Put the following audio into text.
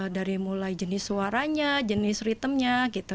dari mulai jenis suaranya jenis ritemnya gitu